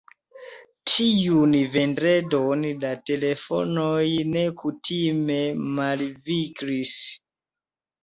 Tiun vendredon la telefonoj nekutime malviglis.